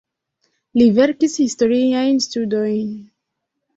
Li verkis historiajn studojn.